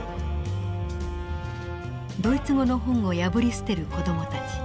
ドイツ語の本を破り捨てる子どもたち。